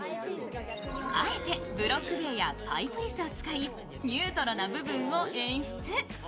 あえてブロック塀やパイプ椅子を使いニュートロな部分を演出。